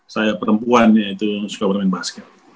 saya perempuan ya itu suka bermain basket